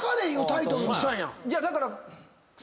だから。